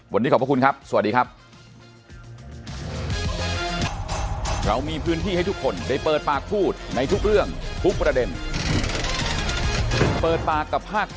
วันนี้ขอบพระคุณครับสวัสดีครับ